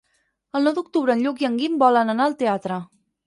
El nou d'octubre en Lluc i en Guim volen anar al teatre.